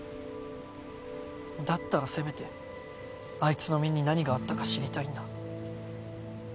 だったらせめてあいつの身に何があったか知りたいんだ。